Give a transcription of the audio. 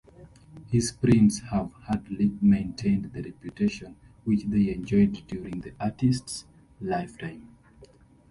His prints have hardly maintained the reputation which they enjoyed during the artists lifetime.